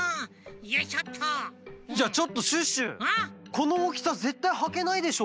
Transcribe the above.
このおおきさぜったいはけないでしょ？